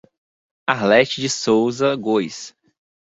Arlete de Soouza Gois